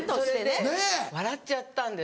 それで笑っちゃったんです。